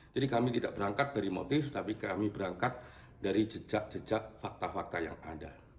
jadi kami tidak berangkat dari motif tapi kami berangkat dari jejak jejak fakta fakta yang ada